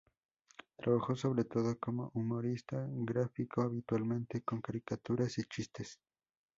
Trabajó sobre todo como humorista gráfico habitualmente con caricaturas y chistes.